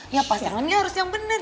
ya pasangannya harus yang bener